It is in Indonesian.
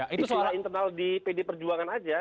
itu adalah internal di pd perjuangan aja